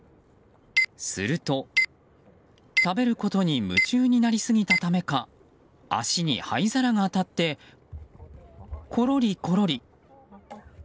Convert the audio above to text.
すると、食べることに夢中になりすぎたためか足に灰皿が当たってころりころり。